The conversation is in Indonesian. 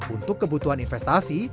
untuk kebutuhan investasi